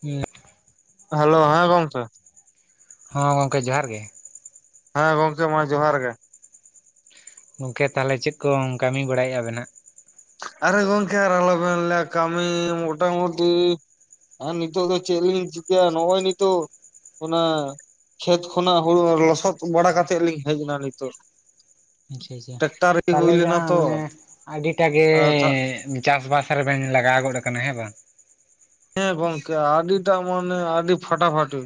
ᱦᱩᱸ ᱦᱮᱞᱳ ᱦᱮᱸ ᱜᱚᱝᱠᱮ ᱦᱳᱸ ᱜᱚᱝᱠᱮ ᱡᱚᱦᱟᱨ ᱜᱮ ᱦᱮᱸ ᱜᱚᱝᱠᱮ ᱢᱟ ᱡᱚᱦᱟᱨ ᱜᱮ ᱜᱚᱝᱠᱮ ᱛᱟᱦᱚᱞᱮ ᱪᱮᱫ ᱠᱚᱢ ᱠᱟᱹᱢᱤ ᱵᱟᱲᱟᱭ-ᱟ ᱟᱵᱮᱱ ᱦᱟᱜ? ᱟᱨᱮ ᱜᱚᱝᱠᱮ ᱟᱨ ᱟᱞᱚ ᱵᱮᱤᱱ ᱞᱮᱭᱟ ᱠᱟᱹᱢᱤ ᱢᱴᱟ ᱢᱚᱴᱤ ᱟᱨ ᱱᱤᱛᱚᱜ ᱫᱚ ᱪᱮᱫᱞᱤᱧ ᱪᱤᱠᱟᱹᱭᱟ ᱱᱚᱜ-ᱚᱭ ᱱᱤᱛᱳᱜ ᱚᱱᱟ ᱠᱷᱮᱛ ᱠᱷᱚᱱᱟᱜ ᱦᱩᱲᱩ ᱞᱚᱥᱚᱫ ᱵᱟᱲᱟ ᱠᱟᱛᱮᱫ ᱞᱤᱧ ᱦᱮᱡ ᱮᱱᱟ ᱱᱤᱛᱚᱜ ᱟᱪᱪᱷᱟ ᱟᱪᱪᱷᱟ ᱴᱮᱠᱴᱟᱨ ᱨᱮ ᱦᱩᱭ ᱛᱟᱦᱞᱮ ᱞᱮᱱᱟ ᱡᱟᱦᱟᱸ ᱛᱚ ᱢᱟᱱᱮ ᱟᱹᱰᱤᱴᱟᱜ ᱜᱮᱻ ᱟᱪᱪᱷᱟ ᱪᱟᱥᱵᱟᱥ ᱨᱮᱵᱮᱱ ᱞᱟᱜᱟᱣ ᱜᱚᱫ ᱟᱠᱟᱱᱟ ᱦᱮᱸ ᱵᱟᱝ? ᱦᱮᱸ ᱜᱚᱝᱠᱮ ᱟᱰᱤᱴᱟᱜ ᱢᱟᱱᱮ ᱟᱰᱤ ᱯᱷᱟᱴᱟ ᱯᱷᱟᱴᱤ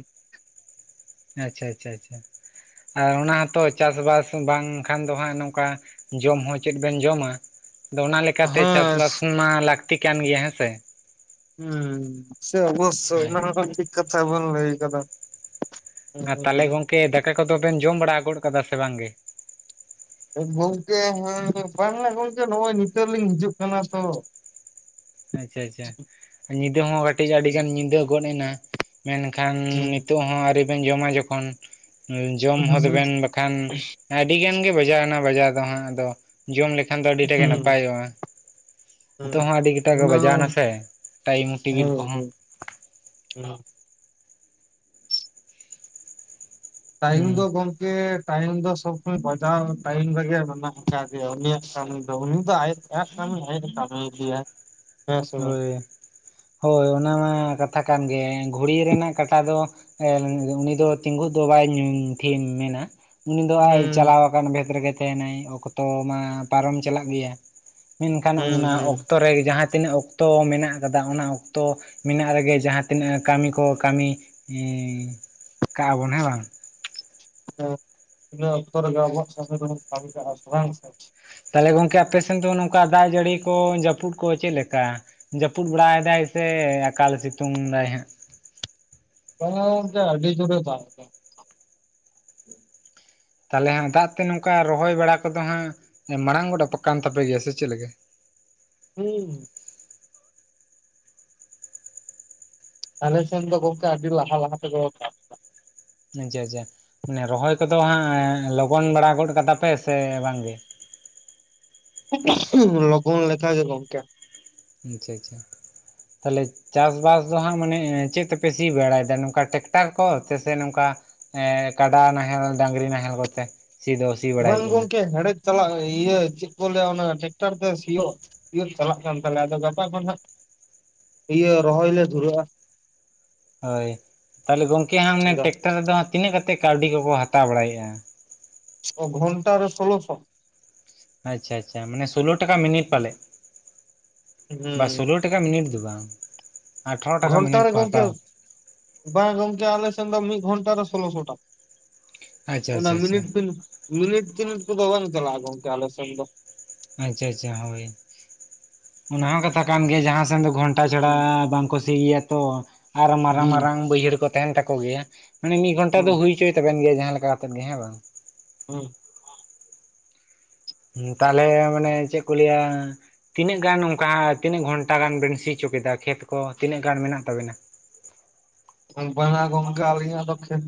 ᱟᱪᱪᱷᱟ ᱟᱪᱷᱟ ᱟᱪᱷᱟ ᱟᱨ ᱚᱱᱟ ᱦᱚᱸᱛᱚ ᱪᱟᱥᱵᱟᱥ ᱵᱟᱝᱠᱷᱟᱱ ᱫᱚ ᱦᱟᱸᱜ ᱱᱚᱝᱠᱟ ᱡᱚᱢ ᱦᱚᱸ ᱪᱮᱫ ᱵᱮᱱ ᱡᱚᱢᱟ᱾ ᱫᱚ ᱚᱱᱟ ᱞᱮᱠᱟᱛᱮ ᱦᱮᱸ ᱪᱟᱥᱵᱟᱥ ᱢᱟ ᱞᱟᱹᱠᱛᱤ ᱠᱟᱱ ᱜᱮᱭᱟ ᱦᱮᱸᱥᱮ, ᱦᱮᱸ ᱥᱮ ᱚᱵᱚᱥᱥᱳᱭ ᱦᱳᱭ ᱚᱱᱟ ᱦᱚᱸ ᱴᱷᱤᱠ ᱠᱟᱛᱷᱟ ᱵᱚᱱ ᱞᱟᱹᱭ ᱠᱟᱫᱟ ᱾ ᱟᱨ ᱛᱟᱦᱚᱞᱮ ᱜᱚᱝᱠᱮ ᱫᱟᱠᱟ ᱠᱚᱫᱚᱵᱮᱱ ᱡᱚᱢ ᱵᱟᱲᱟ ᱜᱚᱫ ᱠᱟᱫᱟ ᱥᱮ ᱵᱟᱝᱜᱮ? ᱜᱚᱝᱠᱮ ᱦᱮᱸ ᱵᱟᱝ ᱜᱚᱝᱠᱮ ᱱᱚᱜᱼᱚᱭ ᱱᱤᱛᱚᱜ ᱞᱤᱧ ᱦᱤᱡᱩᱜ ᱠᱟᱱᱟ ᱛᱚ ᱾ ᱟᱪᱪᱷᱟ ᱟᱪᱪᱷᱟ ᱧᱤᱫᱟᱹ ᱦᱚᱸ ᱠᱟᱹᱴᱤᱡ ᱟᱹᱰᱤᱜᱟᱱ ᱧᱤᱫᱟᱹ ᱜᱚᱫ ᱮᱱᱟ᱾ ᱢᱮᱱᱠᱷᱟᱱ ᱦᱩᱸ ᱱᱤᱛᱚᱜ ᱦᱚᱸ ᱟᱹᱣᱨᱤ ᱵᱮᱱ ᱡᱚᱢᱟ ᱡᱚᱠᱷᱚᱱ ᱡᱚᱢ ᱦᱩᱸ ᱦᱚᱛᱵᱮᱱ ᱵᱟᱠᱷᱟᱱ ᱟᱹᱰᱤᱜᱟᱱ ᱜᱮ ᱵᱟᱡᱟᱣᱱᱟ ᱵᱟᱡᱟ ᱫᱚ ᱦᱟᱸᱜ ᱟᱫᱚ, ᱡᱚᱢ ᱞᱮᱠᱷᱟᱱ ᱫᱚ ᱟᱰᱤᱴᱟᱜ ᱜᱮ ᱦᱩᱸ ᱱᱟᱯᱟᱭᱚᱜᱼᱟ ᱱᱤᱛᱚᱜ ᱦᱩᱸ ᱦᱚᱸ ᱟᱹᱰᱤ ᱮᱴᱟᱜ ᱜᱮ ᱚᱱᱟ ᱵᱟᱡᱟᱣᱱᱟ ᱥᱮ ᱴᱟᱭᱤᱢ ᱴᱮᱵᱤᱞ ᱠᱚᱦᱚᱸ, [inaudible] ᱴᱟᱭᱤᱢ ᱦᱩᱸ ᱫᱚ ᱜᱚᱝᱠᱮ ᱴᱟᱭᱤᱢ ᱫᱚ ᱥᱚᱵᱽ ᱥᱚᱢᱚᱭ ᱵᱟᱡᱟᱣ ᱴᱟᱭᱤᱢ ᱨᱮᱜᱮ ᱢᱮᱱᱟᱜ ᱟᱠᱟ ᱟᱠᱟᱜᱮ ᱩᱱᱤᱭᱟᱜ ᱠᱟᱹᱢᱤ ᱫᱚ ᱩᱱᱤ ᱫᱚ ᱟᱡ ᱟᱭᱟᱜ ᱠᱟᱹᱢᱤ ᱟᱡᱽ ᱮ ᱠᱟᱹᱢᱤ ᱤᱫᱤᱭᱟᱭ᱾ ᱦᱳᱭ᱾ ᱦᱳᱭ ᱚᱱᱟ ᱢᱟ ᱠᱟᱛᱷᱟ ᱠᱟᱱ ᱜᱮ ᱜᱷᱩᱲᱤ ᱨᱮᱱᱟᱜ ᱠᱟᱴᱟ ᱫᱚ ᱮ ᱩᱱᱤ ᱫᱚ ᱛᱤᱸᱜᱩᱜ ᱫᱚ ᱵᱟᱭ ᱛᱷᱤᱢ ᱢᱮᱱᱟ᱾ ᱩᱱᱤ ᱫᱚ ᱦᱩᱸ ᱟᱭ ᱪᱟᱞᱟᱣ ᱟᱠᱟᱱ ᱵᱷᱮᱫ ᱨᱮᱜᱮ ᱛᱮᱦᱮᱱᱟᱭ ᱚᱠᱛᱚ ᱢᱟ ᱯᱟᱨᱚᱢ ᱪᱟᱞᱟᱜ ᱜᱮᱭᱟ᱾ ᱢᱮᱱᱠᱷᱟᱱ ᱦᱩᱸ ᱚᱱᱟ ᱦᱩᱸ ᱚᱠᱛᱚ ᱦᱮᱸ ᱨᱮ ᱡᱟᱦᱟᱸ ᱛᱤᱱᱟᱹᱜ ᱚᱠ ᱛᱚ ᱢᱮᱱᱟᱜ ᱠᱟᱫᱟ ᱚᱱᱟ ᱚᱠᱛᱚ ᱢᱮᱱᱟᱜ ᱨᱮᱜᱮ ᱡᱟᱦᱟᱸ ᱛᱤᱱᱟᱹᱜ ᱠᱟᱹᱢᱤ ᱠᱚ ᱠᱟᱹᱢᱤ ᱦᱩᱸ ᱠᱟᱜᱼᱟ ᱵᱚᱱ ᱦᱮᱸ ᱵᱟᱝ᱾ ᱟᱫᱚ ᱤᱱᱟᱹ ᱚᱠᱛᱚ ᱨᱮᱜᱮ ᱟᱵᱚᱣᱟᱜ ᱠᱟᱹᱢᱤ ᱫᱚᱵᱚᱱ ᱠᱟᱹᱢᱤ ᱠᱟᱜᱼᱟ ᱵᱟᱝ ᱥᱮ᱾ ᱛᱟᱦᱞᱮ ᱜᱚᱝᱠᱮ ᱟᱯᱮ ᱥᱮᱱ ᱫᱚ ᱱᱚᱝᱠᱟ ᱫᱟᱜ ᱡᱟᱹᱲᱤ ᱠᱚ ᱡᱟᱹᱯᱩᱫ ᱠᱚ ᱪᱮᱫ ᱞᱮᱠᱟ? ᱡᱟᱹᱯᱩᱫ ᱵᱟᱲᱟᱭᱫᱟᱭ ᱥᱮ ᱟᱠᱟᱞ ᱥᱤᱛᱩᱝ ᱫᱟᱭ ᱦᱟᱸᱜ? ᱵᱟᱝᱟ ᱜᱚᱝᱠᱮ ᱟᱹᱰᱤ ᱡᱳᱨᱮ ᱫᱟᱜᱫᱟ᱾ ᱛᱟᱦᱞᱮ ᱦᱟᱸᱜ ᱫᱟᱜ ᱛᱮ ᱱᱚᱝᱠᱟ ᱨᱚᱦᱚᱭ ᱵᱟᱲᱟ ᱠᱚᱫᱚ ᱦᱟᱸᱜ ᱢᱟᱲᱟᱝ [unintelligible] ᱛᱟᱯᱮ ᱜᱮᱭᱟ ᱥᱮ ᱪᱮᱫ ᱞᱮᱠᱟ? ᱦᱩᱸ ᱟᱞᱮ ᱥᱮᱱ ᱫᱚ ᱜᱚᱝᱠᱮ ᱟᱹᱰᱤ ᱞᱟᱦᱟ ᱞᱟᱦᱟ [unintelligible] ᱡᱟ ᱡᱟ ᱢᱟᱱᱮ ᱨᱚᱦᱚᱭ ᱠᱚᱫᱚ ᱦᱟᱸᱜ ᱞᱚᱜᱚᱱ ᱵᱟᱲᱟ ᱜᱚᱫ ᱠᱟᱫᱟ ᱯᱮ ᱥᱮ ᱵᱟᱝᱜᱮ? [inaudible] ᱞᱚᱜᱚᱱ ᱞᱮᱠᱟ ᱜᱮ ᱜᱚᱝᱠᱮ᱾ ᱟᱪᱪᱷᱟ ᱟᱪᱪᱷᱟ ᱛᱟᱦᱞᱮ ᱪᱟᱥᱵᱟᱥ ᱫᱚ ᱦᱟᱸᱜ ᱢᱟᱱᱮ ᱪᱮᱫ ᱛᱮᱯᱮ ᱥᱤ ᱵᱟᱲᱟᱭ ᱫᱟ ᱱᱚᱝᱠᱟ ᱴᱨᱮᱠᱴᱟᱨ ᱠᱚ ᱛᱮᱥᱮ ᱱᱚᱝᱠᱟ ᱮᱸ ᱠᱟᱰᱟ ᱱᱟᱦᱮᱞ ᱰᱟᱝᱨᱤ ᱱᱟᱦᱮᱞ ᱠᱚᱛᱮ ᱥᱤ ᱫᱳᱥ ᱵᱟᱝ ᱜᱚᱝᱠᱮ ᱦᱮᱲᱮᱫ ᱪᱟᱞᱟᱜ ᱤᱭᱟᱹ ᱪᱮᱜ ᱠᱚ ᱞᱟᱹᱭᱟ ᱚᱱᱟ ᱴᱮᱠᱴᱟᱨ ᱛᱮ ᱥᱤᱭᱳᱜ ᱥᱤᱭᱳᱜ ᱪᱟᱞᱟᱜ ᱠᱟᱱ ᱛᱟᱞᱮᱭᱟ ᱟᱫᱚ ᱜᱟᱯᱟ ᱫᱚ ᱦᱟᱸᱜ ᱤᱭᱟᱹ ᱨᱚᱦᱚᱭ ᱞᱮ ᱫᱷᱩᱨᱟᱹᱜᱼᱟ᱾ ᱦᱳᱭ ᱛᱟᱦᱞᱮ ᱜᱚᱝᱠᱮ ᱦᱟᱸᱜ ᱚᱱᱮ ᱴᱮᱠᱴᱟᱨ ᱨᱮᱫᱚ ᱛᱤᱱᱟᱹᱜ ᱠᱟᱛᱮᱜ ᱠᱟᱹᱣᱰᱤ ᱠᱚᱠᱚ ᱦᱟᱛᱟᱣ ᱵᱟᱲᱟᱭᱮᱜᱼᱟ? ᱚ ᱜᱷᱚᱱᱴᱟ ᱨᱮ ᱥᱳᱞᱳ ᱥᱚ? ᱟᱪᱪᱷᱟ ᱟᱪᱪᱷᱟ ᱢᱟᱱᱮ ᱥᱳᱞᱳ ᱴᱟᱠᱟ ᱢᱤᱱᱤᱴ ᱯᱟᱞᱮᱜ? ᱵᱟ ᱦᱩᱸ ᱥᱳᱞᱳ ᱴᱟᱠᱟ ᱢᱤᱱᱤᱴ ᱫᱚ ᱵᱟᱝ ᱟᱴᱷᱟᱨᱚ ᱴᱟᱠᱟ ᱜᱷᱚᱱᱴᱟ ᱢᱤᱱᱤᱴ ᱨᱮ ᱠᱚ ᱜᱚᱝᱠᱮ ᱦᱟᱛᱟᱣ ᱵᱟᱝ ᱜᱚᱝᱠᱮ ᱟᱞᱮᱥᱮᱱ ᱫᱚ ᱢᱤᱜ ᱜᱷᱚᱱᱴᱟ ᱨᱮ ᱥᱳᱞᱳᱥᱚ ᱴᱟᱠ ᱟᱪᱪᱷᱟ ᱚᱱᱟ ᱟᱪᱪᱷᱟ ᱟᱪᱪᱷᱟ ᱢᱤᱱᱤᱴ ᱯᱤ ᱢᱤᱱᱤᱴ ᱛᱤᱱᱤᱴ ᱠᱚᱫᱚ ᱵᱟᱝ ᱪᱟᱞᱟᱜᱼᱟ ᱜᱚᱝᱠᱮ ᱟᱞᱮ ᱥᱮᱱ ᱫᱚ᱾ ᱟᱪᱪᱷᱟ ᱟᱪᱪᱷᱟ ᱦᱳᱭ ᱚᱱᱟ ᱦᱚᱸ ᱠᱟᱛᱷᱟ ᱠᱟᱱ ᱜᱮᱭᱟ ᱡᱟᱦᱟᱸ ᱥᱮᱱ ᱫᱚ ᱜᱷᱚᱱ ᱛᱟ ᱪᱷᱟᱲᱟ ᱦᱩᱸ ᱵᱟᱝᱠᱚ ᱥᱤᱭ ᱜᱮᱭᱟ ᱛᱚ ᱟᱨ ᱢᱟᱨᱟᱝ ᱦᱩᱸ ᱢᱟᱨᱟᱝ ᱵᱟᱹᱭᱦᱟᱹᱲ ᱠᱚ ᱛᱟᱦᱮᱱ ᱛᱟᱠᱚ ᱜᱮᱭᱟ᱾ ᱢᱟᱱᱮ ᱢᱤᱜ ᱜᱷᱚᱱᱟ ᱫᱚ ᱦᱩᱸ ᱦᱩᱭ ᱚᱪᱚᱭ ᱛᱟᱵᱮᱱ ᱜᱮᱭᱟ ᱡᱟᱦᱟᱸ ᱞᱮᱠᱟ ᱠᱟᱛᱮᱫ ᱜᱮ ᱦᱮᱸ ᱵᱟᱝ? ᱦᱩᱸ ᱦᱩᱸ ᱛᱟᱦᱞᱮ ᱢᱟᱱᱮ ᱪᱮᱜ ᱠᱚ ᱞᱟ. ᱭᱟ ᱛᱤᱱᱟᱹᱜ ᱜᱟᱱ ᱚᱝᱠᱟ ᱛᱤᱱᱟᱹᱜ ᱜᱷᱚᱱᱴᱟ ᱜᱟᱱ ᱵᱮᱱ ᱥᱤ ᱚᱪᱚ ᱠᱮᱫᱟ ᱠᱷᱮᱛ ᱠᱚ ᱛᱤᱱᱟᱹᱜ ᱜᱟᱱ ᱢᱮᱱᱟᱜ ᱛᱟᱵᱮᱱᱟ? ᱵᱟᱝᱟ ᱜᱚᱝᱠᱮ ᱟᱞᱤᱧᱟᱜ ᱫᱚ ᱠᱷᱮᱛ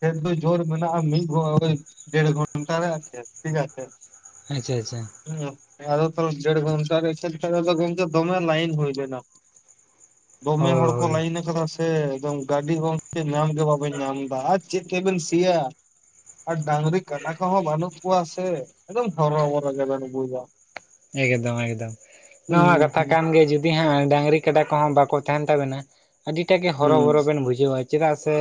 ᱠᱷᱮᱛ ᱫᱚ ᱡᱳᱨ ᱢᱮᱱᱟᱜᱼᱟ ᱢᱤᱜ [inaudible] ᱰᱮᱲ ᱜᱷᱚᱱᱴᱟ ᱨᱮ ᱟᱨ ᱪᱮᱜ ᱴᱷᱤᱠ ᱟᱪᱷᱮ᱾ ᱟᱪᱪᱷᱟ ᱟᱪᱪᱷᱟ᱾ [inaudible] ᱟᱫᱚ ᱛᱟᱦᱞᱮ ᱰᱮᱲ ᱜᱷᱟᱴᱟ ᱨᱮ [unintelligible] ᱫᱚᱢᱮ ᱞᱟᱭᱤᱱ ᱦᱩᱭᱞᱮᱱᱟ᱾ [inaudible] ᱫᱚᱢᱮ ᱦᱚᱲ ᱠᱚ ᱦᱳᱭ ᱞᱟᱭᱤᱱ ᱠᱟᱫᱟ ᱥᱮ ᱮᱠᱫᱚᱢ ᱜᱟᱹᱰᱤ ᱜᱚᱝᱠᱮ ᱧᱟᱢᱜᱮ ᱵᱟᱵᱮᱱ ᱧᱟᱢᱫᱟ ᱟᱡ ᱪᱮᱫ ᱛᱮᱵᱮᱱ ᱥᱤᱭᱟ? ᱟᱨ ᱰᱟᱝᱨᱤ ᱠᱟᱰᱟ ᱠᱚᱦᱚᱸ ᱵᱟᱱᱩᱜ ᱠᱚᱣᱟ ᱥᱮ ᱮᱠᱫᱚᱢ ᱦᱚᱨᱚᱼᱵᱚᱨᱚ ᱜᱮᱵᱮᱱ ᱵᱩᱡᱟ᱾ ᱮᱠᱫᱚᱢ ᱮᱠᱫᱚᱢ ᱚᱱᱟᱢᱟ ᱦᱩᱸ ᱠᱟᱛᱷᱟ ᱦᱩᱸ ᱠᱟᱱ ᱜᱮ ᱡᱩ ᱫᱤ ᱦᱟᱸ ᱰᱟᱹᱝᱨᱤ ᱠᱟᱰᱟ ᱠᱚᱦᱚᱸ ᱵᱟᱠᱚ ᱛᱟᱦᱮᱱ ᱛᱟᱵᱮᱱᱟ ᱟᱹᱰᱤᱴᱟᱜ ᱜᱮ ᱦᱚᱨᱚᱼᱵᱚᱨᱚ ᱵᱮᱱ ᱵᱩᱡᱷᱟᱹᱣᱟ᱾ ᱪᱮᱫᱟᱜ ᱥᱮ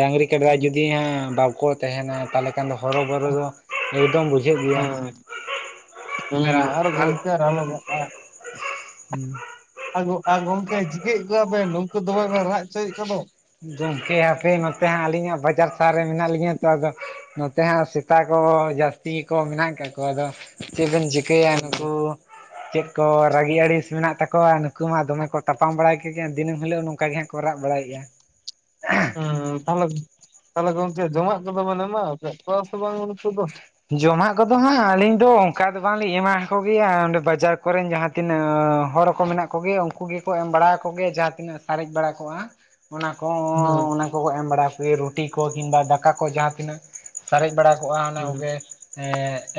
ᱰᱟᱝᱨᱤ ᱠᱟᱰᱟ ᱦᱩᱸ ᱡᱩᱫᱤ ᱦᱟᱸᱜ ᱵᱟᱠᱚ ᱛᱟᱦᱮᱱᱟ ᱛᱟᱦᱞᱮ ᱠᱷᱟᱱ ᱫᱚ ᱦᱚᱨᱚ ᱵᱚᱨᱚ ᱫᱚ ᱮᱠᱫᱚᱢ ᱵᱩᱡᱷᱟᱹᱜ ᱜᱮᱭᱟ᱾ ᱦᱮᱸ ᱦᱩᱸ ᱟᱨ ᱜᱚᱝᱠᱮ ᱟᱨ ᱟᱞᱚᱵᱟᱜ-ᱟ᱾ ᱦᱩᱸ ᱟ ᱜᱚ ᱟ ᱜᱚᱢᱠᱮ ᱪᱤᱠᱟᱹᱭᱮᱜ ᱠᱚᱣᱟ ᱵᱮᱱ ᱩᱱᱠᱩ ᱫᱚᱢᱮ ᱵᱮᱱ ᱨᱟᱜ ᱦᱚᱪᱚᱭᱮᱫ ᱠᱚᱫᱚ? ᱜᱚᱢᱠᱮ ᱦᱟᱯᱮ ᱱᱚᱛᱮ ᱦᱟᱸᱜ ᱟᱹᱞᱤᱧ ᱦᱸᱟᱜ ᱵᱟᱡᱟᱨ ᱥᱟᱦᱟᱨ ᱨᱮ ᱢᱮᱱᱟᱜ ᱞᱤᱧᱟ ᱛᱚ ᱟᱫᱚ ᱱᱚᱛᱮ ᱦᱟᱸᱜ ᱥᱮᱛᱟ ᱠᱚ ᱡᱟᱹᱥᱛᱤ ᱜᱮ ᱠᱚ ᱢᱮᱱᱟᱜ ᱠᱟᱜ ᱠᱚᱣᱟ ᱟᱫᱚ ᱪᱮᱫ ᱫᱚᱢ ᱪᱤᱠᱟᱹᱭᱟ ᱦᱩᱸ ᱱᱩᱠᱩ ᱪᱮᱫ ᱠᱚ ᱨᱟᱜᱤ ᱟᱲᱤᱥ ᱢᱮᱱᱟᱜ ᱛᱟᱠᱚᱣᱟ ᱱᱩᱠᱩ ᱢᱟ ᱫᱚᱢᱮ ᱠᱚ ᱛᱟᱯᱟᱢ ᱵᱟᱲᱟᱭ ᱠᱮᱜᱮᱭᱟ ᱫᱤᱱᱟᱹᱢ ᱦᱤᱞᱳᱜ ᱱᱚᱝᱠᱟ ᱜᱮ ᱦᱟᱸᱜ ᱠᱚ ᱨᱟᱜ ᱵᱟᱲᱟᱭᱮᱜ-ᱟ᱾ ᱦᱩᱸ ᱛᱟᱦᱚᱞᱮ ᱛᱟᱦᱚᱞᱮ ᱜᱚᱝᱠᱮ, ᱡᱚᱢᱟᱜ ᱠᱚᱫᱚ ᱵᱮᱱ ᱮᱢᱟ ᱠᱟᱜ ᱠᱚᱣᱟ ᱥᱮ ᱵᱟᱝ ᱩᱱᱠᱩ ᱫᱚ? ᱡᱚᱢᱟᱜ ᱠᱚᱫᱚ ᱦᱟᱸᱜ ᱟᱞᱤᱧ ᱫᱚ ᱚᱱᱠᱟ ᱫᱚ ᱵᱟᱝᱞᱤᱧ ᱮᱢᱟ ᱦᱟᱠᱚ ᱜᱮᱭᱟ, ᱚᱸᱰᱮ ᱵᱟᱡᱟᱨ ᱠᱚᱨᱮᱱ ᱡᱟᱸᱦᱟ ᱛᱤᱱᱟᱹᱜ ᱦᱚᱲ ᱠᱚ ᱢᱮᱱᱟᱜ ᱠᱚᱜᱮᱭᱟ ᱩᱱᱠᱩ ᱜᱮᱠᱚ ᱮᱢ ᱵᱟᱲᱟ ᱟᱠᱚ ᱜᱮᱭᱟ ᱡᱟᱦᱟᱸ ᱛᱤᱱᱟᱹᱜ ᱥᱟᱨᱮᱡ ᱵᱟᱲᱟ ᱠᱚᱜᱼᱟ᱾ ᱚᱱᱟ ᱦᱩᱸ ᱠᱚᱸᱦᱚ ᱚᱱᱟ ᱠᱚ ᱠᱚ ᱮᱢ ᱵᱟᱲᱟ ᱟᱠᱚ ᱜᱮᱭᱟ ᱨᱩᱴᱤ ᱠᱚ ᱠᱤᱢᱵᱟ ᱫᱟᱠᱟ ᱠᱚ ᱡᱟᱸᱦᱟ ᱛᱤᱱᱟᱹᱜ ᱥᱟᱨᱮᱡ ᱵᱟᱲᱟ ᱠᱚᱜᱼᱟ ᱚᱱᱟ ᱦᱩᱸ ᱠᱚᱜᱮ ᱮᱻ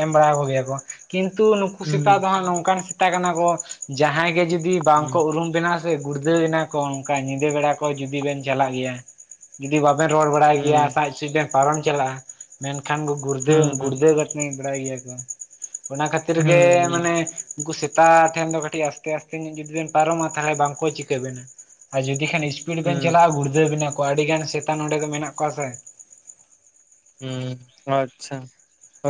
ᱮᱢ ᱵᱟᱲᱟ ᱟᱠᱚ ᱜᱮᱭᱟ ᱠᱚ᱾ ᱠᱤᱱᱛᱩ ᱱᱩᱠᱩ ᱥᱮᱛᱟ ᱦᱩᱸ ᱫᱚ ᱦᱟᱸᱜ ᱱᱚᱝᱠᱟᱱ ᱥᱮᱛᱟ ᱠᱟᱱᱟ ᱠᱚ, ᱡᱟᱦᱟᱸᱭ ᱜᱮ ᱡᱩᱫᱤ ᱵᱟᱝ ᱦᱩᱸ ᱠᱚ ᱩᱨᱩᱢ ᱵᱮᱱᱟ ᱥᱮ ᱜᱩᱲᱫᱷᱟᱹᱣ ᱮᱱᱟ ᱠᱚ ᱚᱱᱠᱟ ᱧᱤᱫᱟ. ᱵᱮᱲᱟ ᱠᱚ ᱡᱩᱫᱤ ᱵᱮᱱ ᱪᱟᱞᱟᱜ ᱜᱮᱭᱟ᱾ ᱡᱩᱫᱤ ᱵᱟᱵᱮᱱ ᱨᱚᱲ ᱵᱟᱲᱟᱭ ᱜᱮᱭᱟ ᱦᱩᱸ ᱥᱟᱡᱼᱥᱩᱡ ᱵᱮᱱ ᱯᱟᱨᱚᱢ ᱪᱟᱞᱟᱜᱼᱟ, ᱢᱮᱱᱠᱷᱟᱱ ᱠᱩ ᱜᱷᱩ ᱦᱩᱸ ᱜᱩᱲᱫᱷᱟᱹᱝ ᱜᱭᱲᱫᱷᱟ ᱠᱷᱟᱴᱱᱤ ᱵᱟᱲᱟᱭ ᱜᱮᱭᱟ ᱠᱚ᱾ ᱦᱩᱸ ᱦᱩᱸ ᱩᱱᱠᱩ ᱥᱮᱛᱟᱻ ᱴᱷᱮᱱ ᱫᱚ ᱠᱟᱴᱤᱡ ᱟᱥᱛᱮ ᱟᱥᱛᱮ ᱧᱚᱜ ᱡᱩᱫᱤ ᱵᱤᱱ ᱯᱟᱨᱚᱢᱚᱜ-ᱟ ᱛᱟᱦᱚᱞᱮ ᱵᱟᱝᱠᱚ ᱪᱤᱠᱟᱹ ᱵᱤᱱᱟ᱾ ᱟᱨ ᱡᱩᱫᱤ ᱠᱷᱟᱱ ᱤᱥᱯᱤᱰ ᱵᱮᱱ ᱦᱩᱸ ᱪᱟᱞᱟᱜᱼᱟ ᱜᱩᱲᱫᱟᱹᱣ ᱵᱮᱱᱟ ᱠᱚ ᱟᱹᱰᱤ ᱜᱟᱱ ᱥᱮᱛᱟ ᱱᱚᱰᱮ ᱫᱚ ᱢᱮᱱᱟᱜ ᱠᱚᱣᱟ ᱥᱮ᱾ ᱦᱢ ᱟᱪᱪᱷᱟ᱾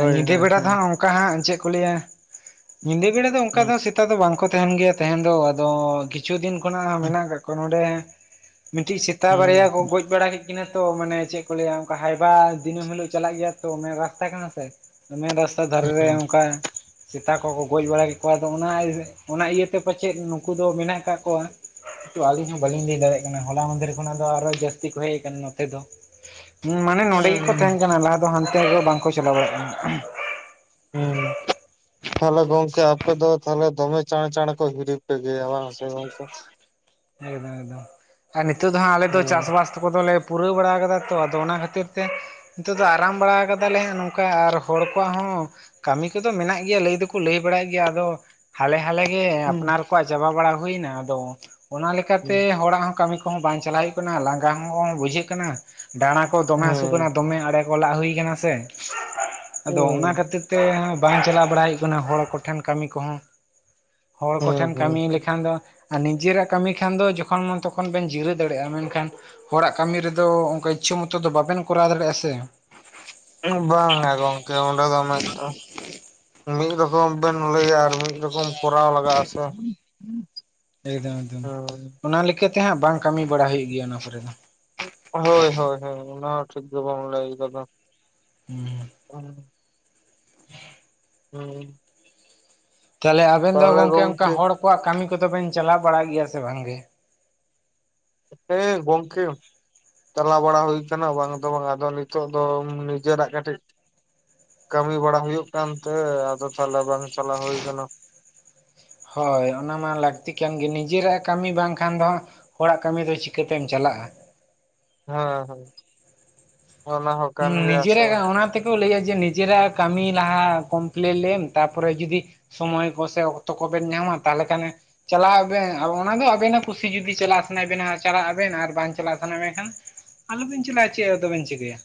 ᱟᱨ ᱧᱤᱫᱟᱹ ᱦᱳᱭ ᱵᱮᱲᱟ ᱫᱚ ᱦᱳᱭ ᱦᱟᱸᱜ ᱚᱱᱠᱟ ᱦᱟᱸᱜ ᱪᱮᱫ ᱠᱚ ᱞᱮᱭᱟ ᱧᱤᱫᱟᱹ ᱵᱮᱲᱟ ᱫᱚ ᱚᱱᱠᱟ ᱦᱩᱸ ᱫᱚ ᱥᱮ ᱛᱟ ᱫᱚ ᱵᱟᱝᱠᱚ ᱛᱟᱦᱮᱱ ᱜᱮᱭᱟ ᱛᱟᱦᱮᱱ ᱫᱚ ᱟᱫᱚ ᱠᱤᱪᱷᱩ ᱫᱤᱱ ᱠᱷᱚᱱᱟᱜ ᱦᱟᱸᱜ ᱢᱮᱱᱟᱜ ᱠᱟᱜ ᱠᱚᱣᱟ ᱱᱚᱸᱰᱮ ᱢᱤᱫᱴᱤᱡ ᱥᱮᱛᱟ ᱵᱟᱨᱭᱟ ᱦᱩᱸ ᱠᱚ ᱜᱚᱡ ᱵᱟᱲᱟ ᱠᱮᱫ ᱠᱤᱱᱟᱹ ᱛᱚ ᱢᱟᱱᱮ ᱪᱮᱫ ᱠᱚ ᱞᱮᱭᱟ ᱚᱱᱠᱟ ᱦᱟᱭᱵᱟ ᱫᱤᱱᱟᱹᱢ ᱦᱤᱞᱳᱜ ᱪᱟᱞᱟᱜ ᱜᱮᱭᱟᱭ ᱛᱚ᱾ ᱢᱮᱱ ᱨᱟᱥᱛᱟ ᱠᱟᱱᱟ ᱥᱮ᱾ ᱢᱮᱱ ᱨᱟᱥᱛᱟ ᱫᱷᱟᱨᱮ ᱨᱮ ᱦᱩᱸ ᱚᱱᱠᱟ ᱥᱮᱛᱟ ᱠᱚ ᱠᱚ ᱜᱚᱡ ᱵᱟᱲᱟ ᱠᱮᱫ ᱠᱚᱣᱟ ᱛᱚ, ᱚᱱᱟ ᱤᱫᱤᱠᱟᱛᱮ ᱚᱱᱟ ᱤᱭᱟᱹᱛᱮ ᱯᱟᱪᱮᱫ ᱱᱩᱠᱩ ᱫᱚ ᱢᱮᱱᱟᱜ ᱟᱠᱟᱫ ᱠᱚᱣᱟ᱾ ᱛᱚ ᱟᱞᱤᱧ ᱦᱚᱸ ᱵᱟᱞᱤᱧ ᱞᱟᱹᱭ ᱫᱟᱲᱮᱭᱟᱜ ᱠᱟᱱᱟ᱾ ᱦᱚᱞᱟ ᱢᱟᱫᱷᱮᱨ ᱠᱷᱚᱱ ᱟᱫᱚ ᱟᱨᱦᱚ ᱡᱟᱹᱥᱛᱤ ᱠᱚ ᱦᱮᱡ ᱟᱠᱟᱱᱟ ᱱᱚᱛᱮ ᱫᱚ᱾ ᱦᱢᱻ ᱢᱟᱱᱮ ᱱᱚᱸᱰᱮ ᱜᱮᱠᱚ ᱛᱟᱦᱮᱱ ᱦᱩᱸ ᱠᱟᱱᱟ, ᱞᱟᱦᱟ ᱫᱚ ᱦᱟᱱᱛᱮ ᱟᱫᱚ ᱵᱟᱝᱠᱚ ᱪᱟᱞᱟᱣ ᱫᱟᱲᱮᱭᱟᱜ ᱠᱟᱱᱟ᱾ ᱦᱢᱻ ᱛᱟᱦᱚᱞᱮ ᱜᱚᱝᱠᱮ ᱟᱯᱮ ᱫᱚ ᱛᱟᱦᱞᱮ ᱫᱚᱢᱮ ᱪᱟᱬ ᱪᱟᱬ ᱠᱚ ᱦᱤᱨᱤ ᱯᱮ ᱜᱮᱭᱟ ᱚᱲᱟᱜ ᱥᱮ ᱜᱚᱝᱠᱮ᱾ [inaudible] ᱮᱠᱫᱚᱢ ᱮᱠᱫᱚᱢ᱾ ᱟᱨ ᱱᱤᱛᱳᱜ ᱫᱚ ᱦᱟᱸᱜ ᱟᱞᱮᱚ ᱫᱚ ᱦᱩᱸ ᱪᱟᱥᱵᱟᱥ ᱠᱚᱫᱚᱞᱮ ᱯᱩᱨᱟᱹᱣ ᱵᱟᱲᱟ ᱠᱟᱫᱟ ᱛᱚ, ᱟᱫᱚ ᱚᱱᱟ ᱠᱷᱟᱛᱤᱨ ᱛᱮ ᱱᱤᱛᱚᱜ ᱫᱚ ᱟᱨᱟᱢ ᱵᱟᱲᱟ ᱠᱟᱫᱟᱞᱮ ᱦᱟᱸᱜ ᱱᱚᱝᱠᱟ, ᱟᱨ ᱦᱚᱲ ᱠᱚᱣᱟᱜ ᱦᱚᱸ ᱠᱟᱢᱤ ᱠᱚ ᱫᱚ ᱢᱮᱱᱟᱜ ᱜᱮᱭᱟ ᱞᱟᱹᱭ ᱫᱚ ᱠᱚ ᱞᱟᱹᱭ ᱵᱟᱲᱟᱭᱮᱫ ᱜᱮᱭᱟ, ᱟᱫᱚ ᱦᱟᱞᱮ ᱦᱟᱞᱮ ᱜᱮ ᱦᱩᱸ ᱟᱯᱱᱟᱨ ᱠᱚᱣᱟᱜ ᱪᱟᱵᱟ ᱵᱟᱲᱟ ᱦᱩᱭᱱᱟ ᱟᱫᱚ, ᱚᱱᱟ ᱞᱮᱠᱟ ᱛᱮ ᱦᱚᱲᱟᱜ ᱦᱚᱸ ᱠᱟᱹᱢᱤ ᱠᱚᱦᱚᱸ ᱵᱟᱝ ᱪᱟᱞᱟᱜᱣ ᱦᱳᱭᱳᱜ ᱠᱟᱱᱟ᱾ ᱞᱟᱸᱜᱟ ᱦᱚᱸ ᱵᱩᱡᱷᱟᱹᱜ ᱠᱟᱱᱟ᱾ ᱰᱟᱬᱟ ᱠᱚ ᱫᱚᱢᱮ ᱦᱟᱹᱥᱩ ᱠᱟᱱᱟ ᱦᱩᱸ ᱫᱚᱢᱮ ᱟᱲᱮ ᱚᱞᱟᱜ ᱦᱩᱭ ᱠᱟᱱᱟ ᱥᱮ᱾ ᱟᱫᱚ ᱚᱱᱟ ᱦᱩᱸ ᱠᱷᱟᱹᱛᱤᱨ ᱛᱮ ᱵᱟᱝ ᱪᱟᱞᱟᱣ ᱵᱟᱲᱟ ᱦᱩᱭᱩᱜ ᱠᱟᱱᱟ ᱦᱚᱲ ᱠᱚᱴᱷᱮᱱ ᱠᱟᱢᱤ ᱠᱚᱦᱚᱸ᱾ ᱦᱚᱲ ᱠᱚᱴᱷᱮᱱ ᱦᱩᱸ ᱠᱟᱢᱤ ᱞᱮᱠᱷᱟᱱ ᱫᱚ, ᱟᱨ ᱱᱤᱡᱮᱨᱟᱜ ᱠᱟᱢᱤ ᱠᱷᱟᱱ ᱫᱚ ᱡᱚᱠᱷᱚᱱ ᱢᱚᱱ ᱛᱚᱠᱷᱚᱱ ᱵᱮᱱ ᱡᱤᱨᱟᱹᱣ ᱫᱟᱲᱮᱭᱟᱜᱼᱟ, ᱢᱮᱱᱠᱷᱟᱱ ᱦᱚᱲᱟᱜ ᱠᱟᱢᱤ ᱨᱮᱫᱚ ᱚᱱᱠᱟ ᱤᱪᱪᱷᱟᱹ ᱢᱚᱛᱚ ᱫᱚ ᱵᱟᱵᱮᱱ ᱠᱚᱨᱟᱣ ᱫᱟᱲᱮᱭᱟᱜᱼᱟ ᱥᱮ ᱵᱟᱝᱟ ᱜᱚᱝᱠᱮ ᱚᱸᱰᱮ ᱫᱚ ᱢᱤᱫᱴᱟᱝ ᱢᱤᱫ ᱨᱚᱠᱚᱢ ᱵᱮᱱ ᱞᱟᱹᱭᱟ ᱾ ᱢᱤᱫ ᱨᱚᱠᱚᱢ ᱠᱚᱨᱟᱣ ᱞᱟᱜᱟᱣ ᱟᱥᱮ ᱾ ᱮᱠᱫᱚᱢ ᱮᱠᱫᱚᱢ ᱚᱱᱟ ᱞᱮᱠᱟᱛᱮ ᱦᱟᱸᱜ ᱵᱟᱝ ᱠᱟᱹᱢᱤ ᱵᱟᱲᱟ ᱦᱩᱭᱩᱜ ᱜᱮᱭᱟ ᱚᱱᱟ ᱯᱚᱨᱮ ᱫᱚ ᱦᱳᱭ ᱦᱳᱭ ᱦᱳᱭ ᱚᱱᱟ ᱦᱚᱸ ᱴᱷᱤᱠ ᱫᱚ ᱵᱟᱝ ᱞᱟᱹᱭ ᱠᱟᱫᱟ ᱫᱚ [inaudible] [inaudible] [inaudible] ᱛᱟᱦᱚᱞᱮ ᱟᱵᱮᱱ ᱫᱚ ᱜᱚᱝᱠᱮ ᱚᱱᱠᱟ ᱦᱚᱲ ᱠᱚᱣᱟᱜ ᱠᱟᱹᱢᱤ ᱠᱚᱫᱚ ᱵᱮᱱ ᱪᱟᱞᱟᱣ ᱵᱟᱲᱟᱭ ᱜᱮᱭᱟ ᱥᱮ ᱵᱟᱝᱜᱮ? ᱦᱮ ᱜᱚᱝᱠᱮ ᱪᱟᱞᱟᱣ ᱵᱟᱲᱟ ᱦᱩᱭ ᱟᱠᱟᱱᱟ ᱵᱟᱝ ᱫᱚ ᱵᱟᱝ ᱟᱫᱚ ᱱᱤᱛᱚᱜ ᱫᱚ ᱱᱤᱡᱮᱨᱟᱜ ᱠᱟᱹᱴᱤᱡ ᱠᱟᱹᱢᱤ ᱵᱟᱲᱟ ᱦᱩᱭᱩᱜ ᱠᱟᱱᱛᱮ ᱟᱫᱚ ᱛᱟᱦᱚᱞᱮ ᱵᱟᱝ ᱪᱟᱞᱟᱣ ᱦᱩᱭ ᱟᱠᱟᱱᱟ ᱾ ᱦᱳᱭ ᱚᱱᱟ ᱢᱟ ᱞᱟᱹᱠᱛᱤ ᱠᱟᱱ ᱜᱮ ᱱᱤᱡᱮᱨᱟᱜ ᱠᱟᱹᱢᱤ ᱵᱟᱝᱠᱷᱟᱱ ᱫᱚᱦᱟᱜ ᱦᱚᱲᱟᱜ ᱠᱟᱹᱢᱤ ᱫᱚ ᱪᱤᱠᱟᱹᱛᱮᱢ ᱪᱟᱞᱟᱜᱼᱟ ᱦᱮᱸ ᱦᱮᱸ ᱚᱱᱟ ᱦᱚᱸ ᱠᱟᱱ ᱜᱮᱭᱟ ᱥᱮ ᱠᱚ ᱞᱟᱹᱭᱟ ᱡᱮ ᱱᱤᱡᱮᱨᱟᱜ ᱠᱟᱹᱢᱤ ᱞᱟᱦᱟ ᱠᱚᱢᱯᱮᱞᱮᱢ ᱛᱟ ᱯᱚᱨᱮ ᱡᱩᱫᱤ ᱥᱚᱢᱚᱭ ᱠᱚᱥᱮ ᱚᱠᱛᱚ ᱠᱚᱵᱮᱱ ᱧᱟᱢᱟ ᱛᱟᱦᱚᱞᱮ ᱠᱷᱟᱱ ᱪᱟᱞᱟᱜ ᱟᱵᱮᱱ ᱟ ᱚᱱᱟᱫᱚ ᱟᱵᱮᱱᱟᱜ ᱠᱩᱥᱤ ᱡᱩᱫᱤ ᱪᱟᱞᱟᱜ ᱥᱟᱱᱟᱭᱮᱫ ᱵᱮᱱᱟ ᱪᱟᱞᱟᱜ ᱟᱵᱮᱱ ᱟᱨ ᱵᱟᱝ ᱪᱟᱞᱟᱜ ᱥᱟᱱᱟᱭ ᱢᱮᱱᱠᱷᱟᱱ ᱟᱞ ᱵᱮᱧ ᱪᱞᱟᱜᱟ ᱪᱮᱫ ᱟᱫᱚ ᱪᱤᱠᱟ. ᱭᱟ᱾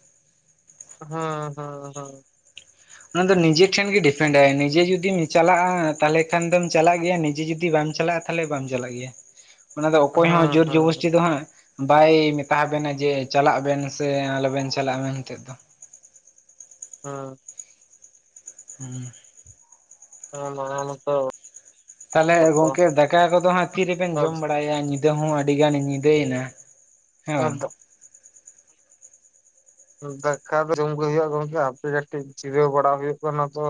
ᱦᱳᱸ ᱦᱳᱸ ᱦᱳᱸ ᱚᱱᱟ ᱫᱚ ᱱᱤᱡᱮ ᱴᱷᱮᱱ ᱜᱮ ᱰᱤᱯᱮᱱᱰ ᱟᱭ ᱱᱤᱡᱮ ᱡᱩᱫᱤ ᱪᱟᱞᱟᱜᱼᱟ ᱛᱟᱦᱚᱞᱮ ᱠᱷᱟᱱ ᱫᱚᱢ ᱪᱟᱞᱟᱜ ᱜᱮᱭᱟ ᱱᱤᱡᱮ ᱡᱩᱫᱤ ᱵᱟᱢ ᱪᱟᱞᱟᱜᱼᱟ ᱛᱟᱦᱚᱞᱮ ᱵᱟᱢ ᱪᱟᱞᱟᱜ ᱜᱮᱭᱟ ᱾ ᱚᱱᱟ ᱫᱚ ᱚᱠᱚᱭ ᱦᱚᱸ ᱦᱩᱸ ᱦᱩᱸ ᱡᱳᱨ ᱦᱩᱸ ᱡᱚᱵᱚᱥᱴᱤ ᱫᱚ ᱦᱜ, ᱵᱟᱭ ᱢᱮᱛᱟ ᱦᱟᱵᱮᱱᱟ ᱡᱮ ᱪᱟᱞᱟᱜ ᱵᱮᱱ ᱥᱮ ᱟᱞᱚᱵᱮᱱ ᱪᱟᱞᱟᱜᱼᱟ ᱢᱮᱱ ᱛᱮ ᱫᱚ ᱦᱳ ᱦᱩᱸ ᱦᱳ ᱢᱱᱮᱨ ᱢᱚᱛᱚ ᱛᱟᱦᱚᱞᱮ ᱜᱚᱝᱠᱮ ᱫᱟᱠᱟ ᱠᱚᱫᱚ ᱦᱟᱸᱜ ᱛᱤᱨᱮᱵᱮᱱ ᱡᱚᱢ ᱵᱟᱲᱟᱭᱟ ᱧᱤ ᱧᱤᱫᱟᱹ ᱦᱚᱸ ᱟᱹᱰᱤ ᱜᱟᱱᱮ ᱧᱤᱫᱟᱹᱭᱮᱱᱟ ᱦᱮᱸ ᱵᱟᱝ ᱫᱟᱠᱟ ᱫᱚ ᱡᱚᱢᱜᱮ ᱦᱩᱭᱩᱜᱼᱟ ᱜᱚᱝᱠᱮ ᱦᱟᱯᱮ ᱠᱟᱹᱴᱤᱡ ᱡᱤᱨᱟᱹᱣ ᱵᱟᱲᱟ ᱦᱩᱭᱩᱜ ᱠᱟᱱᱟ ᱛᱚ᱾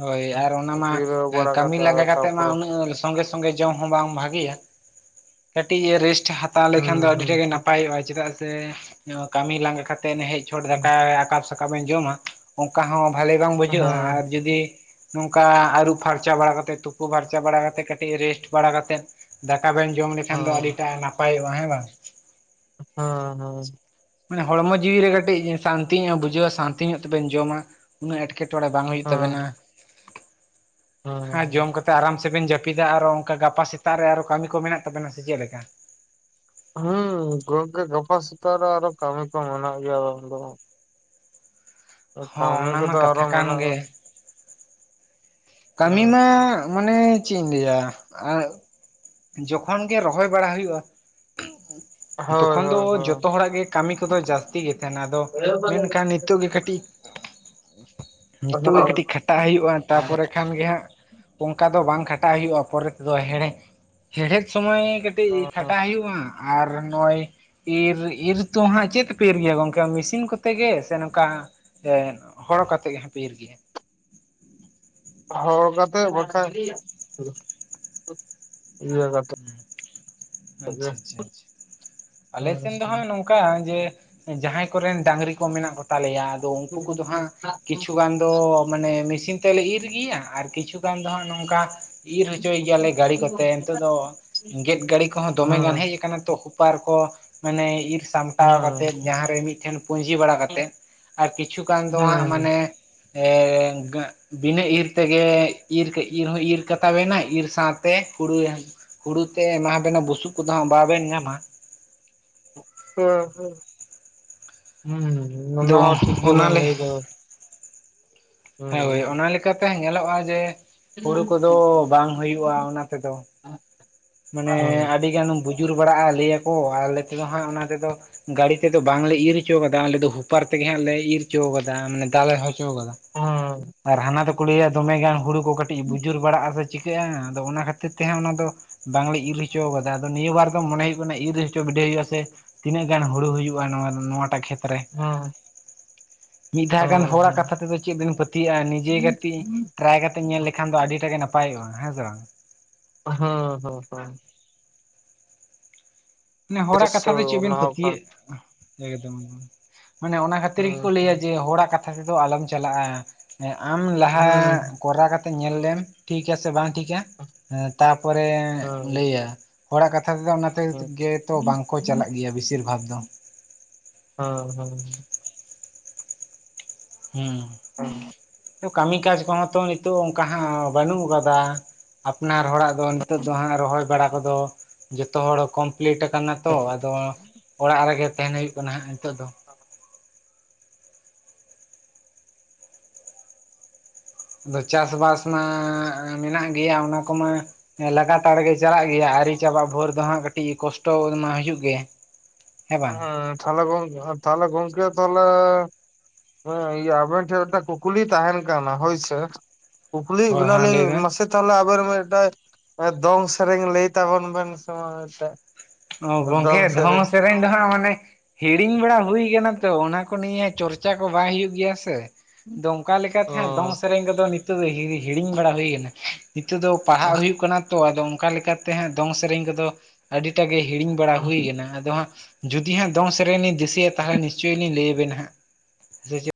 ᱦᱳᱭ ᱟᱨ ᱚᱱᱟ ᱢᱟ ᱡᱤᱨᱟᱹᱣ ᱵᱟᱲᱟ ᱠᱟᱹᱢᱤ ᱠᱟᱛᱮ ᱟᱫᱚ ᱞᱟᱸᱜᱟ ᱠᱟᱛᱮᱜ ᱢᱟ ᱛᱟᱯᱚᱨᱮ ᱩᱱᱟᱹᱜ ᱟᱞ ᱥᱚᱸᱜᱮ ᱥᱚᱸᱜᱮ ᱡᱚᱢ ᱦᱚᱸ ᱵᱟᱝ ᱵᱷᱟᱜᱤᱭᱟ ᱠᱟᱹᱴᱤᱡ ᱨᱮᱥᱴ ᱦᱟᱛᱟᱣ ᱛᱟ ᱞᱮᱠᱷᱟᱱ ᱫᱚ ᱦᱩᱸ ᱟᱹᱰᱤ ᱦᱩᱸ ᱴᱟᱜ ᱜᱮ ᱦᱩᱸ ᱱᱟᱯᱟᱭᱚᱜᱼᱟ ᱪᱮᱫᱟᱜ ᱥᱮ ᱠᱟᱹᱢᱤ ᱞᱟᱸᱜᱟ ᱠᱟᱛᱮ ᱦᱮᱡ ᱪᱷᱚᱴ ᱫᱟᱠᱟ ᱟᱠᱟᱠᱟᱵ ᱥᱟᱠᱟᱵ ᱵᱤᱱ ᱡᱚᱢᱟ ᱚᱱᱠᱟ ᱦᱚ ᱵᱷᱟᱞᱤ ᱵᱟᱝ ᱵᱩᱡᱷᱟᱜ ᱟ ᱟᱨ ᱦᱩᱸ ᱡᱩᱫᱤ ᱱᱚᱝᱠᱟ ᱟᱹᱨᱩᱵ ᱯᱷᱟᱨᱪᱟ ᱵᱟᱲᱟ ᱠᱟᱛᱮ ᱛᱩᱯᱩ ᱯᱷᱟᱨᱪᱟ ᱵᱟᱲᱟ ᱠᱟᱛᱮ ᱠᱟᱹᱴᱤᱡ ᱨᱮᱥᱴ ᱵᱟᱲᱟ ᱠᱟᱛᱮ ᱫᱟᱠᱟ ᱵᱮᱱ ᱡᱚᱢ ᱞᱮᱠᱷᱟᱱ ᱫᱚ ᱦᱩᱸ ᱟᱹᱰᱤᱴᱟᱜ ᱱᱟᱯᱟᱭᱚᱜᱼᱟ ᱦᱮᱸ ᱵᱟᱝ? ᱦᱳᱸ ᱦᱳᱸ ᱢᱟᱱᱮ ᱦᱚᱲᱢᱚ ᱡᱤᱣᱤ ᱨᱮ ᱠᱟᱹᱴᱤᱡ ᱥᱟᱱᱛᱤ ᱧᱚᱜ ᱮ ᱵᱩᱡᱷᱟᱹᱣᱟ ᱥᱟᱱᱛᱤ ᱧᱚᱜ ᱛᱮᱵᱮᱱ ᱡᱚᱢᱟ ᱩᱱᱟᱹᱜ ᱮᱴᱠᱮᱴᱮ ᱮᱴᱠᱮᱴᱚᱬᱮ ᱵᱟᱝ ᱦᱩᱭᱩᱜ ᱛᱟᱵᱮᱱᱟ ᱦᱩᱸ ᱦᱩᱸ ᱦᱟ ᱦᱩᱸ ᱡᱚᱢ ᱠᱟᱛᱮ ᱛᱮ ᱟᱨᱟᱢ ᱥᱮᱵᱮᱱ ᱡᱟᱹᱯᱤᱫᱟ ᱟᱨᱚ ᱚᱱᱠᱟ ᱜᱟᱯᱟ ᱥᱮᱛᱟᱜ ᱨᱮ ᱟᱨᱚ ᱠᱟᱹᱢᱤ ᱠᱚ ᱢᱮᱱᱟᱜ ᱛᱟᱵᱮᱱᱟ ᱥᱮ ᱪᱮᱫ ᱞᱮᱠᱟ? ᱦᱮᱸ ᱜᱚᱝᱠᱮ ᱜᱟᱯᱟ ᱥᱮᱩᱛᱟᱹᱜ ᱨᱮ ᱟᱨᱚ ᱦᱚ ᱠᱟᱹᱢᱤ ᱠᱚ ᱢᱮᱱᱟᱜ ᱜᱮᱭᱟ ᱟᱫᱚ ᱦᱚᱸ ᱠᱟᱹᱢᱤ ᱚᱱᱟ ᱢᱟ ᱠᱚᱫᱚ ᱟᱨᱚ ᱠᱟᱛᱷᱟ ᱠᱟᱱ ᱢᱮᱱᱟᱜ ᱜᱮ ᱠᱟᱹᱢᱤ ᱦᱮᱸ ᱢᱟ ᱢᱟᱱᱮ ᱪᱮᱫ ᱤᱧ ᱞᱟᱹᱭᱟ ᱟ ᱡᱚᱠᱷᱚᱱ ᱜᱮ ᱨᱚᱦᱚᱭ ᱵᱟᱲᱟ ᱦᱤᱭᱩᱜᱼᱟ ᱦᱳᱭ ᱛᱚᱠᱷᱚᱱ ᱫᱚ ᱦᱳᱭ ᱡᱚᱛᱚ ᱦᱳᱭ ᱦᱚᱲᱟᱜ ᱜᱮ ᱠᱟᱹᱢᱤ ᱠᱚᱫᱚ ᱡᱟᱹᱥᱛᱤ ᱜᱮ ᱛᱟᱦᱮᱱᱟ ᱟᱫᱚ ᱢᱮᱱᱠᱷᱟᱱ ᱱᱤᱛᱚᱜ ᱜᱮ ᱠᱟᱹᱴᱤᱡ ᱧᱤᱛᱚᱜ ᱜᱮ ᱦᱳᱭ ᱠᱟᱹᱴᱤᱡ ᱠᱷᱟᱴᱟᱜ ᱦᱩᱭᱩᱜᱼᱟ ᱛᱟᱯᱚᱨᱮ ᱠᱷᱟᱱ ᱜᱮ ᱦᱟᱸᱜ ᱚᱝᱠᱟ ᱫᱚ ᱵᱟᱝ ᱠᱷᱟᱴᱟᱜ ᱦᱩᱭᱩᱜᱼᱟ ᱯᱚᱨᱮ ᱛᱮᱫᱚ ᱦᱮᱲᱮ ᱦᱮᱲᱦᱮᱫ ᱥᱚᱢᱚᱭ ᱠᱟᱹᱴᱤᱡ ᱠᱷᱟᱴᱟᱜ ᱦᱩᱭᱩᱜᱼᱟ ᱟᱨ ᱱᱚᱜᱼᱚᱭ ᱤᱨ ᱤᱨ ᱛᱚ ᱦᱟᱸᱜ ᱪᱮᱜ ᱛᱮᱯᱮ ᱤᱨ ᱜᱮᱭᱟ ᱜᱚᱝᱠᱮ ᱢᱮᱥᱤᱱ ᱠᱚᱛᱮ ᱜᱮ ᱥᱮ ᱱᱚᱝᱠᱟ ᱮ ᱦᱚᱲ ᱠᱟᱛᱮᱜ ᱜᱮ ᱦᱟᱸᱜ ᱯᱮ ᱤᱨ ᱜᱮᱭᱟ? ᱦᱚ ᱠᱟᱛᱮ ᱵᱟᱠᱷᱟᱱ ᱤᱭᱟᱹ ᱠᱟᱛᱮ ᱟᱪᱪᱷᱟ ᱟᱪᱪᱷᱟ ᱟᱪᱪᱷᱟ ᱦᱩᱸ ᱟᱞᱮᱥᱮᱱ ᱫᱚ ᱦᱩᱸ ᱦᱟᱸᱜ ᱱᱚᱝ ᱠᱟ ᱡᱮ ᱡᱟᱦᱟᱭ ᱠᱚᱨᱮᱱ ᱰᱟᱝᱨᱤ ᱠᱚ ᱢᱮᱱᱟᱜ ᱠᱚ ᱛᱟᱞᱮᱭᱟ ᱟᱫᱚ ᱩᱝᱠᱩ ᱠᱚᱫᱚ ᱦᱟᱸᱜ ᱠᱤᱪᱷᱩ ᱜᱟᱱ ᱫᱚ ᱢᱟᱱᱮ ᱢᱮᱥᱤᱱ ᱛᱮᱞᱮ ᱤᱨ ᱜᱮᱭᱟ ᱟᱨ ᱠᱤᱪᱷᱩ ᱜᱟᱱ ᱫᱚ ᱦᱟᱸᱜ ᱱᱚᱝᱠᱟ ᱤᱨ ᱦᱚᱪᱚᱭ ᱜᱮᱭᱟᱞᱮ ᱜᱟᱹᱲᱤ ᱠᱚᱛᱮ ᱱᱤᱛᱚᱜ ᱫᱚ ᱜᱮᱫ ᱜᱟᱹᱲᱤ ᱠᱚᱦᱚᱸ ᱫᱚᱢᱮ ᱜᱟᱱ ᱦᱮᱡ [inaudible] ᱠᱟᱱᱟ ᱛᱚ ᱦᱩᱯᱟᱨ ᱠᱚ ᱢᱟᱱᱮ ᱤᱨᱥ ᱥᱟᱢᱴᱟᱣ ᱦᱩᱸ ᱠᱟᱛᱮᱫ ᱡᱟᱦᱟᱸ ᱨᱮ ᱢᱤᱫᱴᱷᱮᱱ ᱯᱩᱸᱡᱤ ᱵᱟᱲᱟ ᱠᱟᱛᱮᱫ ᱟᱨ ᱠᱤᱪᱷᱩ ᱜᱟᱱ ᱫᱚ ᱦᱟᱸᱜ ᱦᱩᱸ ᱢᱟᱱᱮ ᱵᱤᱱᱟᱹ [inaudible] ᱤᱨ ᱛᱮᱜᱮ ᱤᱨ ᱠᱮ ᱤᱨ ᱦᱚᱸ ᱤᱨ ᱠᱟ ᱛᱟᱵᱮᱱᱟ ᱤᱨ ᱥᱟᱶᱛᱮ ᱦᱩᱲᱩ ᱦᱳᱲᱩ ᱛᱮᱜᱼᱨ ᱮᱢᱟᱵᱮᱱᱟ ᱵᱩᱥᱩᱵ ᱠᱚᱫᱚ ᱦᱟᱸᱜ ᱵᱟᱵᱮᱱ ᱧᱟᱢᱟ᱾ [inaudible] ᱦᱩᱸ ᱫᱚ ᱚᱱᱟ ᱦᱚᱸ ᱴᱷᱤᱠ ᱚᱱᱟ ᱜᱮᱵᱮᱱ ᱞᱮ ᱞᱟᱹᱭ ᱠᱟᱫᱟ᱾ ᱦᱩᱸ ᱦᱳᱭ ᱚᱱᱟ ᱞᱮᱠᱟᱛᱮ ᱧᱮᱞᱚᱜᱼᱟ ᱡᱮ ᱦᱩᱲᱩ ᱦᱩᱸ ᱠᱚᱫᱚ ᱵᱟᱝ ᱦᱩᱭᱩᱜᱼᱟ ᱚᱱᱟ ᱛᱮᱫᱚ᱾ [inaudible] ᱢᱟᱱᱮ ᱟᱹᱰᱤ ᱜᱟᱱ ᱵᱩᱡᱩᱨ ᱵᱟᱲᱟᱜᱼᱟ ᱞᱟᱹᱭᱟᱠᱚ ᱟᱞᱮ ᱛᱮᱫᱚ ᱦᱟᱸᱜ ᱚᱱᱟ ᱛᱮᱫᱚ ᱜᱟᱲᱤ ᱛᱮᱫᱚ ᱵᱟᱝᱞᱮ ᱤᱨ ᱚᱪᱚᱣ ᱠᱟᱫᱟ ᱟᱞᱮ ᱫᱚ ᱦᱩᱯᱟᱨ ᱛᱮᱜᱮ ᱦᱟᱸᱜ ᱞᱮ ᱤᱨ ᱚᱪᱚᱣ ᱠᱟᱫᱟ ᱢᱟᱱᱮ ᱫᱟᱞᱮ ᱦᱚᱸ ᱪᱚᱣ ᱠᱟᱫᱟ ᱦᱩᱸ ᱦᱩᱸ ᱟᱨ ᱦᱟᱱᱟ ᱫᱚᱠᱚ ᱞᱟᱹᱭᱟ ᱫᱚᱢᱮ ᱜᱟᱱ ᱦᱩᱲᱩ ᱠᱚ ᱠᱟᱹᱴᱤᱡ ᱵᱩᱡᱩᱨ ᱵᱟᱲᱟᱜᱼᱟ ᱥᱮ ᱪᱤᱠᱟᱹᱜᱼᱟ ᱟᱫᱚ ᱚᱱᱟ ᱠᱷᱟᱹᱛᱤᱨ ᱛᱮᱦᱟᱸᱜ ᱚᱱᱟ ᱫᱚ ᱵᱟᱝᱞᱮ ᱤᱨ ᱚᱪᱚᱣ ᱠᱟᱫᱟ ᱟᱫᱚ ᱱᱤᱭᱟᱹ ᱵᱟᱨ ᱫᱚ ᱢᱚᱱᱮ ᱦᱩᱭᱩᱜ ᱠᱟᱱᱟ ᱤᱨ ᱚᱪᱚ ᱵᱤᱰᱟᱹᱣ ᱦᱩᱭᱩᱜᱼᱟ ᱥᱮ ᱛᱤᱱᱟᱹᱜ ᱜᱟᱱ ᱦᱩᱲᱩ ᱦᱩᱭᱩᱜᱼᱟ ᱱᱚ-ᱱᱚᱣᱟ ᱴᱟᱜ ᱠᱷᱮᱛ ᱨᱮ᱾ ᱦᱩᱸ ᱢᱤᱫ ᱫᱷᱟᱣ ᱜᱟᱱ ᱦᱩᱸ ᱦᱚᱲᱟᱜ ᱦᱩᱸ ᱦᱩᱸ ᱠᱟᱛᱷᱟ ᱛᱮᱫᱚ ᱪᱮᱜ ᱵᱮᱤᱱ ᱯᱟᱹᱛᱭᱟᱹᱜᱼᱟ ᱱᱤᱡᱮ ᱜᱟᱛᱮ ᱴᱨᱟᱭ ᱠᱟᱛᱮ ᱧᱮᱞ ᱞᱮᱠᱷᱟᱱ ᱫᱚ ᱟᱹᱰᱤ ᱴᱟ ᱜᱮ ᱱᱟᱯᱟᱭᱚᱜᱼᱟ ᱦᱮᱸ ᱥᱮ ᱵᱟᱝ? ᱦᱚᱸ ᱦᱚᱸ ᱦᱚᱸ ᱢᱟᱱᱮ ᱦᱚᱲᱟᱜ ᱚᱵᱚᱥᱥᱳ ᱠᱟᱛᱷᱟ ᱫᱟ ᱪᱮᱜ ᱵᱮᱱ ᱚᱱᱟ ᱦᱚᱸ ᱠᱟᱱ ᱯᱮᱛᱭᱟᱹᱜ ᱮᱠᱫᱚᱢ ᱮᱫᱚᱢ ᱢᱟᱱᱮ ᱚᱱᱟ ᱠᱷᱟᱹᱛᱤᱨ ᱦᱩᱸ ᱜᱮᱠᱚ ᱦᱩᱸ ᱞᱟᱹᱭᱟ ᱡᱮ ᱦᱚᱲᱟᱜ ᱠᱟᱛᱷᱟ ᱛᱮᱫᱚ ᱟᱞᱚᱢ ᱪᱟᱞᱟᱜᱼᱟ᱾ ᱮᱸ ᱟᱢ ᱞᱟᱦᱟ ᱦᱩᱸ ᱠᱚᱨᱟᱣ ᱠᱟᱛᱮ ᱧᱮᱞ ᱞᱮᱢ ᱴᱷᱤᱠᱟ ᱥᱮ ᱵᱟᱝ ᱴᱷᱤᱠᱟ᱾ ᱦᱮᱸ ᱞᱛᱟᱯᱚᱨᱮ ᱞᱟᱹᱭᱟ ᱦᱚᱲᱟᱜ ᱠᱟᱛᱷᱟ ᱛᱮᱫᱚ ᱚᱱᱟᱛᱮ ᱦᱩᱸ ᱦᱩᱸ ᱜᱮᱛᱚ ᱵᱟᱝᱠᱚ ᱪᱟᱞᱟᱜ ᱜᱮᱭᱟ ᱵᱮᱥᱤᱨ ᱵᱷᱟᱜᱽ ᱫᱚ᱾ ᱦᱚᱸ ᱦᱚᱸ ᱦᱩᱸ [inaudible] ᱠᱟᱹᱢᱤ ᱠᱟᱡᱽ ᱠᱚᱦᱚᱸ ᱛᱚ ᱱᱤᱛᱚᱜ ᱚᱝᱠᱟ ᱦᱟᱸ ᱵᱟᱹᱱᱩᱜ ᱟᱠᱟᱫᱟ᱾ ᱟᱯᱱᱟᱨ ᱦᱚᱲᱟᱜ ᱫᱚ ᱱᱤᱛᱚᱜ ᱫᱚ ᱦᱟᱸᱜ ᱨᱚᱦᱚᱭ ᱵᱟᱲᱟ ᱠᱚᱫᱚ ᱡᱚᱛᱚ ᱦᱚᱲ ᱠᱚᱢ ᱞᱮᱴ ᱟᱠᱟᱱᱟ ᱛᱚ, ᱟᱫᱚ ᱚᱲᱟᱜ ᱨᱮᱜᱮ ᱛᱟᱦᱮᱱ ᱦᱩᱭᱩᱜ ᱠᱟᱱᱟ ᱦᱟᱸᱜ ᱱᱤᱛᱚᱜ ᱫᱚ᱾ [inaudible] ᱟᱫᱚ ᱪᱟᱥᱵᱟᱥ ᱢᱟ ᱢᱮᱱᱟᱜ ᱜᱮᱭᱟ ᱚᱱᱟ ᱠᱚᱢᱟ ᱮᱸ ᱞᱟᱜᱟᱛᱟᱲ ᱜᱮ ᱪᱟᱞᱟᱜ ᱜᱮᱭᱟ ᱟᱹᱭᱨᱤ ᱪᱟᱵᱟᱜ ᱵᱷᱳᱨ ᱫᱚ ᱦᱟᱸᱜ ᱠᱟᱹᱴᱤᱡ ᱠᱚᱥᱴᱚ ᱢᱟ ᱦᱩᱭᱩᱜ ᱜᱮ᱾ ᱦᱮᱸ ᱛᱟᱦᱞᱮ ᱜᱚᱝ ᱛᱟᱦᱞᱮ ᱜᱚᱝᱠᱮ ᱛᱟᱦᱞᱮ ᱦᱮᱸ ᱤᱭᱟᱹ ᱟᱵᱮᱱ ᱴᱷᱮᱜ ᱢᱤᱜᱴᱮᱜ ᱠᱩᱠᱞᱤ ᱛᱟᱦᱮᱱ ᱠᱟᱱᱟ ᱦᱳᱭᱥᱮ, ᱠᱩᱠᱞᱤᱭᱮᱜ ᱦᱳᱭ ᱦᱳᱭ ᱵᱮᱱᱟᱞᱤᱧ ᱞᱟᱹᱭ ᱵᱮᱱ᱾ ᱢᱟᱥᱮ ᱛᱟᱦᱞᱮ ᱟᱵᱮᱱ ᱢᱤᱜᱴᱮᱜ ᱮ ᱫᱚᱝ ᱥᱮᱨᱮᱧ ᱞᱟᱹᱭ ᱛᱟᱵᱚᱱ ᱵᱮᱱ ᱥᱮ ᱢᱟ ᱢᱤᱜᱴᱮᱜ? ᱚ ᱜᱚᱝᱠᱮ ᱫᱷᱚᱝ ᱥᱮᱨᱮᱧ ᱫᱚ ᱦᱟᱸᱜ ᱢᱟᱱᱮ ᱦᱤᱲᱤᱧ ᱵᱟᱲᱟ ᱦᱩᱭ ᱠᱟᱱᱟ ᱛᱚ ᱚᱱᱟ ᱠᱚ ᱱᱤᱭᱟᱹ ᱪᱚᱨᱪᱟ ᱠᱚ ᱵᱟᱭ ᱦᱩᱭᱩᱜ ᱜᱮᱭᱟ ᱥᱮ᱾ ᱫᱚᱝᱠᱟ ᱞᱮᱠᱟ ᱛᱮ ᱚ ᱦᱟᱸᱜ ᱫᱚᱝ ᱥᱮᱨᱮᱧ ᱠᱚᱫᱚ ᱱᱤᱛᱚᱜ ᱫᱚ ᱦᱤᱲᱤ ᱦᱤᱲᱤᱧ ᱵᱟᱲᱟ ᱦᱩᱭ ᱟᱠᱟᱱᱟ, ᱱᱤᱛᱚᱜ ᱫᱚ ᱯᱟᱲᱦᱟᱜ ᱦᱩᱭᱩᱜ ᱠᱟᱱᱟ ᱛᱚ ᱟᱫᱚ ᱚᱝᱠᱟ ᱞᱮᱠᱟ ᱛᱮ ᱦᱟᱸᱜ ᱫᱚᱝ ᱥᱮᱨᱮᱧ ᱠᱚᱫᱚ ᱠᱟ ᱜᱮ ᱦᱤᱲᱤᱧ ᱵᱟᱲᱟ ᱦᱩᱭ ᱠᱟᱱᱟ ᱟᱫᱚ ᱦᱟᱸᱜ ᱡᱩᱫᱤ ᱦᱟᱸᱜ ᱫᱚᱝ ᱥᱮᱨᱮᱧ ᱞᱤᱧ ᱫᱤᱥᱟᱹᱭᱟ ᱛᱟᱦᱟᱞᱮ ᱱᱤᱥᱪᱚᱭ ᱞᱤᱧ ᱞᱟᱹᱭᱟᱵᱱᱟ ᱦᱟᱸᱜ [unintelligible]